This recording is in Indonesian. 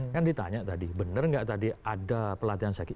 kan ditanya tadi benar nggak tadi ada pelatihan sakit